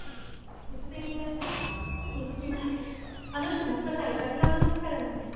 突然言い出したのは三月前あの人のおっかさんが亡くなったときです。